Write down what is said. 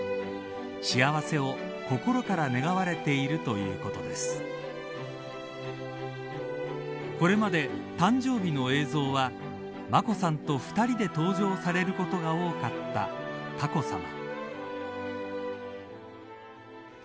佳子さまはこれまで、誕生日の映像は眞子さんと２人で登場されることが多かった佳子さま。